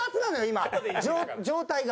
今状態が。